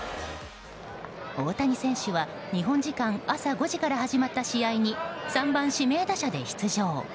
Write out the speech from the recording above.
大谷選手は日本時間朝５時から始まった試合に３番指名打者で出場。